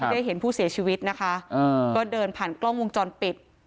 ได้เห็นผู้เสียชีวิตนะคะก็เดินผ่านกล้องวงจรปิด